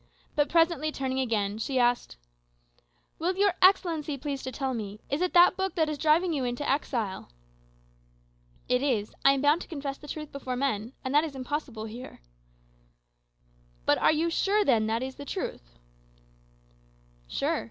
But presently turning again, she asked, "Will your Excellency please to tell me, is it that book that is driving you into exile?" "It is. I am bound to confess the truth before men; and that is impossible here." "But are you sure then that it is the truth?" "Sure.